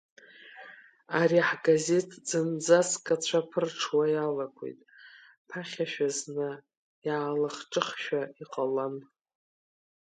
Ари ҳгазеҭ зынӡаск ацәа ԥырҽуа иалагоит, ԥахьашәа зны иаалахҿыхшәа иҟалан…